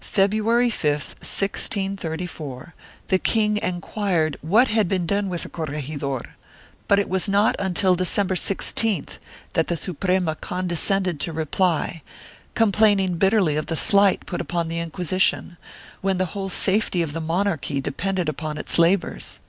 February 5, 1634, the king enquired what had been done with the corregidor, but it was not until December 16th that the Suprema condescended to reply, complaining bitterly of the slight put upon the Inquisition, when the whole safety of the monarchy depended upon its labors.